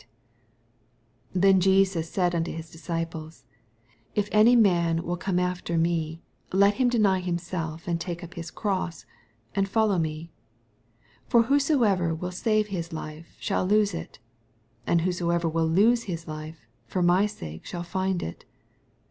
84 Then said Jesus unto his disci ples, If any man will come after me, let him deny himself, and take up his croBs, and rollow me. 25 For whosoever will save his life shall lose it : and whosoever will lose his life for my sake shall find it.